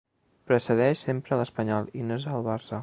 Precedeix sempre l'Espanyol, i no és el Barça.